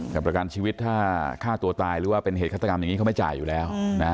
แต่ประกันชีวิตถ้าฆ่าตัวตายหรือว่าเป็นเหตุฆาตกรรมอย่างนี้เขาไม่จ่ายอยู่แล้ว